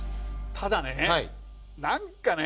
ただね何かね